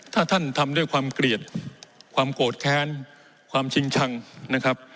ถ้าท่านทำด้วยความเกลียดความโกรธแค้นความชิงชังนะครับ